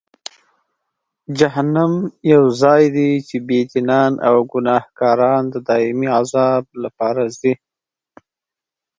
جهنم یو ځای دی چې بېدینان او ګناهکاران د دایمي عذاب لپاره ځي.